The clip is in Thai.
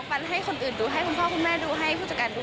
ฟันให้คนอื่นดูให้คุณพ่อคุณแม่ดูให้ผู้จัดการดู